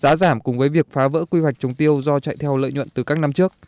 giá giảm cùng với việc phá vỡ quy hoạch trồng tiêu do chạy theo lợi nhuận từ các năm trước